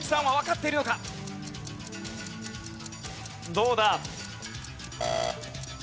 どうだ？